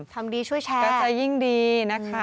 ทำดีช่วยแชร์ก็จะยิ่งดีนะคะ